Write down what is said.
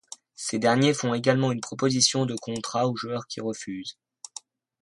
Ces derniers font également une proposition de contrat au joueur qui refuse.